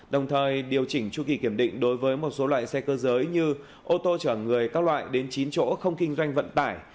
đồng thời điều chỉnh chu kỳ kiểm định đối với một số loại xe cơ giới như ô tô chở người các loại đến chín chỗ không kinh doanh vận tải